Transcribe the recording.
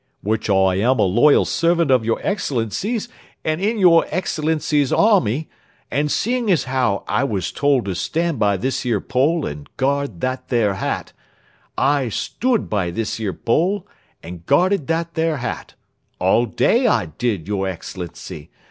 "Which I am a loyal servant of your Excellency's, and in your Excellency's army, and seeing as how I was told to stand by this 'ere pole and guard that there hat, I stood by this 'ere pole, and guarded that there hat all day, I did, your Excellency.